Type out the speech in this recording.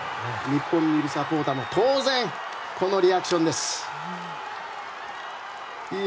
日本にいるサポーターもこのリアクション。